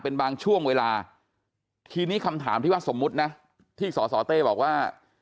เป็นบางช่วงเวลาทีนี้คำถามที่ว่าสมมุตินะที่สสเต้บอกว่า